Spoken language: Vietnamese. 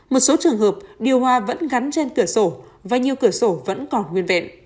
một số trường hợp điều hòa vẫn gắn trên cửa sổ và nhiều cửa sổ vẫn còn nguyên vẹn